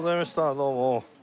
どうも。